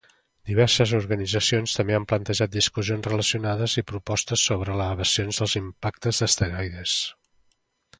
Diverses organitzacions també han plantejat discussions relacionades i propostes sobre evasió dels impactes d'asteroides.